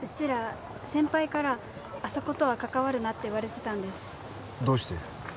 ら先輩からあそことは関わるなって言われてたんですどうして？